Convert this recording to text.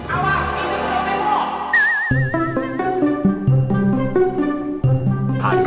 awas ini belum lembok